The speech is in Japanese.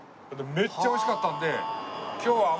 めっちゃ美味しかったので。